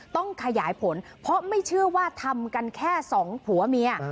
ต้องขยายผลเพราะไม่เชื่อว่าทำกันแค่สองผัวเมีย